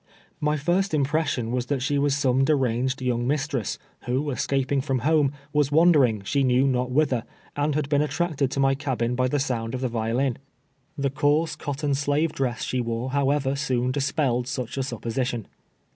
My first impression was that she was some de ranged young mistress, who, escaping from home, was wandering, she knew not whither, and had been attracted to my cabin by the sound of the violin. Tlie coarse cotton slave dress she wore, however, soon dispelled such a supposition.